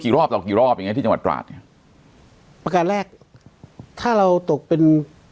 รอบต่อกี่รอบอย่างเงี้ที่จังหวัดตราดไงประการแรกถ้าเราตกเป็น